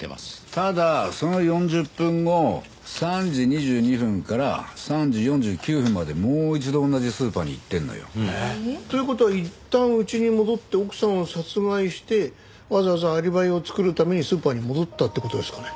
ただその４０分後３時２２分から３時４９分までもう一度同じスーパーに行ってるのよ。という事はいったん家に戻って奥さんを殺害してわざわざアリバイを作るためにスーパーに戻ったって事ですかね？